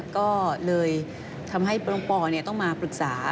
ก็เลยทำให้น้องปอต้องมาปรึกษา